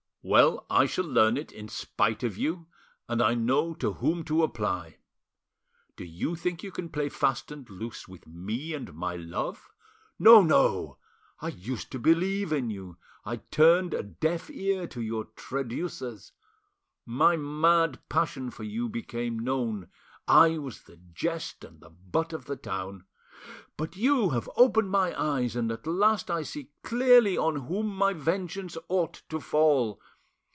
"Well, I shall learn it, in spite of you, and I know to whom to apply. Do you think you can play fast and loose with me and my love? No, no! I used to believe in you; I turned, a deaf ear to your traducers. My mad passion for you became known; I was the jest and the butt of the town. But you have opened my eyes, and at last I see clearly on whom my vengeance ought to fall.